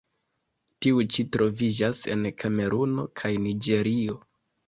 Tiu ĉi troviĝas en Kameruno kaj Niĝerio.